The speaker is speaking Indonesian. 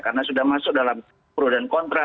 karena sudah masuk dalam perudahan kontra